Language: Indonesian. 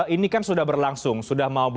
ini kan sudah berlangsung sudah mau babak final